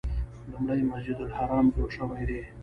لومړی مسجد الحرام جوړ شوی دی.